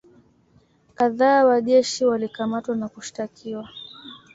kadhaa wa kijeshi walikamatwa na kushtakiwa